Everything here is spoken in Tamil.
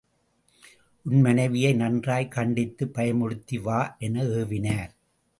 உன் மனைவியை நன்றாய்க் கண்டித்துப் பயமுறுத்தி வா என ஏவினர்.